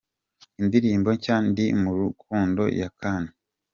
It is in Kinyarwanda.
Indirimbo nshya Ndi mu rukundo ya Kane.